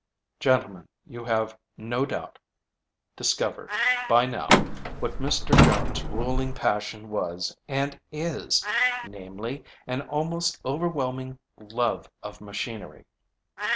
"Gentlemen, you have no doubt discovered by now what Mr. Jones' ruling passion was, and is, namely, an almost overwhelming love of machinery.